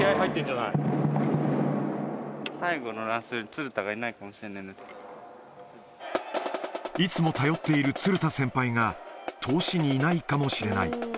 最後のランスルー、鶴田がいいつも頼っている鶴田先輩が、通しにいないかもしれない。